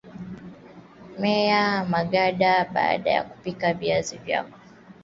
menya maganda baada kupika viazi vyako